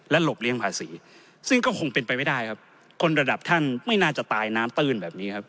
หลบเลี้ยงภาษีซึ่งก็คงเป็นไปไม่ได้ครับคนระดับท่านไม่น่าจะตายน้ำตื้นแบบนี้ครับ